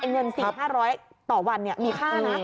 เงิน๔๕๐๐ต่อวันมีค่านะ